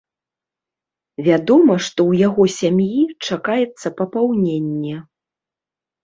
Вядома, што ў яго сям'і чакаецца папаўненне.